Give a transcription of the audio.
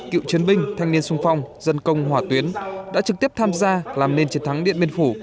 cựu chiến binh thanh niên sung phong dân công hỏa tuyến đã trực tiếp tham gia làm nên chiến thắng điện biên phủ